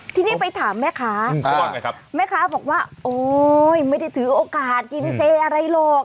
ทีนี้ไปถามแม่ค้าเขาว่าไงครับแม่ค้าบอกว่าโอ๊ยไม่ได้ถือโอกาสกินเจอะไรหรอก